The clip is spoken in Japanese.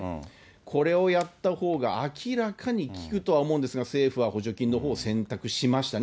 これをやったほうが明らかに効くとは思うんですが、政府は補助金のほうを選択しましたね。